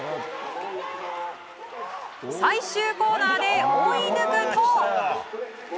最終コーナーで追い抜くと。